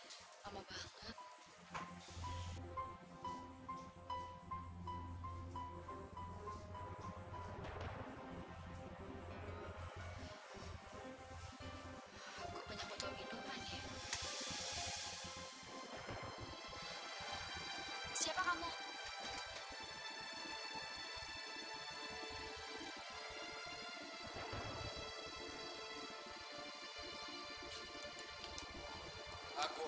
tapi jangan lama lama ya mbak